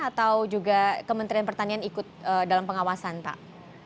atau juga kementerian pertanian ikut dalam pengawasan pak